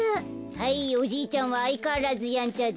はいおじいちゃんはあいかわらずやんちゃです。